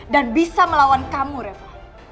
dan bisa melawan kamu reva